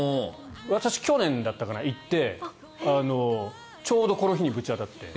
私、去年だったかな行ってちょうどこの日にぶち当たって。